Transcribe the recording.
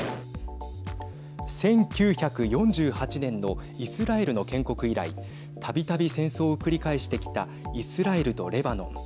１９４８年のイスラエルの建国以来たびたび戦争を繰り返してきたイスラエルとレバノン。